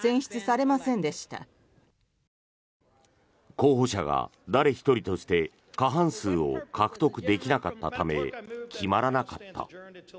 候補者が誰一人として過半数を獲得できなかったため決まらなかった。